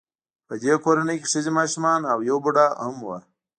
په دې کورنۍ کې ښځې ماشومان او یو بوډا هم و